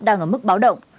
đang ở mức báo động